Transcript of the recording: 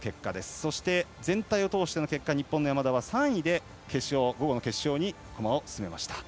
そして、全体を通して日本の山田は３位で午後の決勝に駒を進めました。